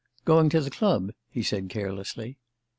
"Going to the club?" he said carelessly.